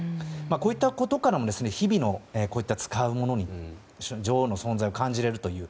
こういったことからも日々、使うものに女王の存在を感じられるという。